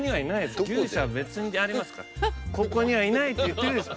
牛舎別にありますからここにはいないって言ってるでしょ